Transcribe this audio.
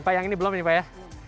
pak yang ini belum ya